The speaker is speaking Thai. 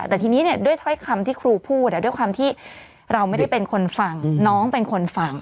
แต่ทีนี้เนี่ยด้วยถ้อยคำที่ครูพูดด้วยความที่เราไม่ได้เป็นคนฟังน้องเป็นคนฟัง